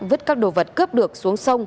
vứt các đồ vật cướp được xuống sông